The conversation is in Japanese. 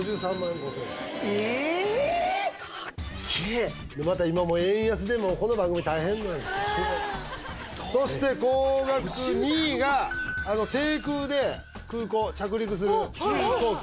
高えまた今もう円安でこの番組大変なんですそして高額２位が低空で空港着陸する飛行機